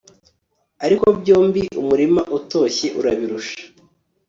ariko byombi umurima utoshye urabirusha